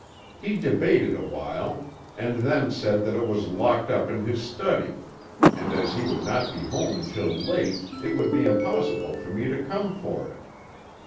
"He debated a while and then said that it was locked up in his study, and as he would not be home until late it would be impossible for me to come for it.